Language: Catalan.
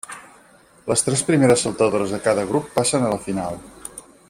Les tres primeres saltadores de cada grup passen a la final.